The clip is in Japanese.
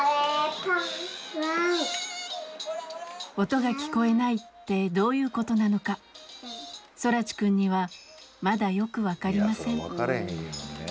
音が聞こえないってどういうことなのか空知くんにはまだよく分かりません。